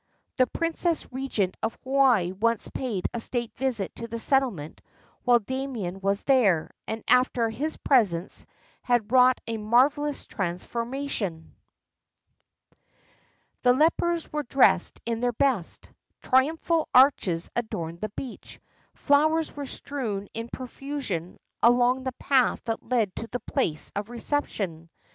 The Princess Regent of Hawaii once paid a state visit to the settlement while Damien was there, and after his presence had wrought a marvelous transformation. The lepers were dressed in their best. Triumphal arches adorned the beach. Flowers were strewn in profusion along the path that led to the place of reception.